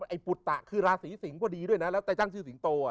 ไอ้ปุลตะคือราศีสิงห์พอดีด้วยนะแล้วแต่ช่างชื่อสิงห์โตอ่ะ